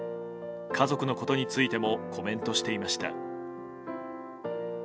家族のことについてもコメントしていました。